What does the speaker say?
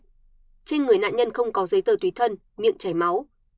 trên người nạn nhân không có giấy tờ tùy thân miệng chảy máu